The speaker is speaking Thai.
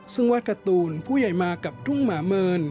ซึ่งวัดการ์ตูนผู้ใหญ่มากับทุ่งหมาเมิน